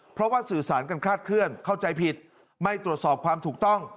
เพราะว่าสื่อสารกันคลาดเคลื่อนเข้าใจผิดไม่ตรวจสอบความถูกต้อง